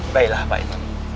baiklah pak imam